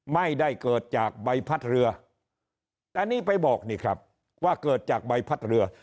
ไม่ได้เกิดจากใบพัดเรือแต่นี่ไปบอกนี่ครับว่าเกิดจากใบพัดเรือ